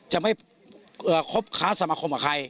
จะไม่คบค้าสมาคมกับใคร